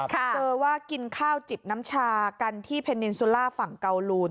เจอว่ากินข้าวจิบน้ำชากันที่เพนินซูล่าฝั่งเกาลูน